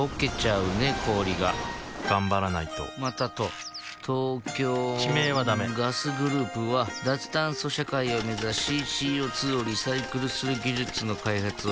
氷が頑張らないとまたと東京地名はダメガスグループは脱炭素社会を目指しＣＯ２をリサイクルする技術の開発をしています